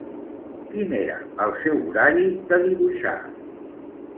Quin era el seu horari de dibuixar?